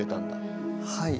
はい。